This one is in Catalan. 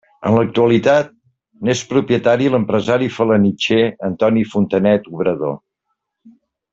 En l'actualitat, n'és propietari l'empresari felanitxer Antoni Fontanet Obrador.